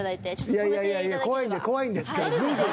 いやいやいやいや怖い怖いんですけど。